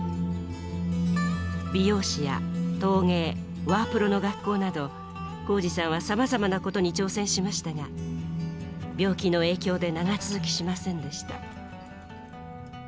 美容師や陶芸ワープロの学校など宏司さんはさまざまなことに挑戦しましたが病気の影響で長続きしませんでした。